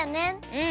うん。